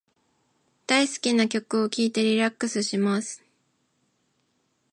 大好きな曲を聞いてリラックスします。